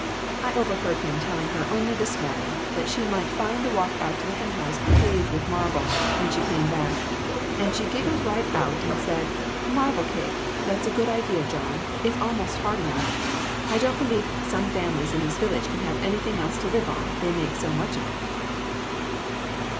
I overheard him telling her only this morning that she might find the walk out to the hen house paved with marble when she came back ; and she giggled right out and said ' Marble cake ! That's a good idea, John ; it's almost hard enough. I don't believe some fam ilies in this village can have anything else to live on, they make so much of it.'